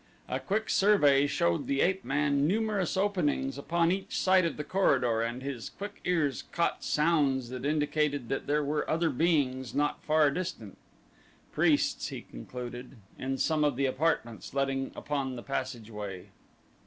A quick survey showed the ape man numerous openings upon each side of the corridor and his quick ears caught sounds that indicated that there were other beings not far distant priests, he concluded, in some of the apartments letting upon the passageway.